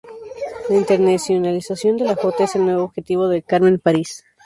La internacionalización de la Jota es el nuevo objetivo de Carmen París.